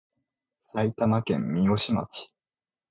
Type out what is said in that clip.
埼玉県三芳町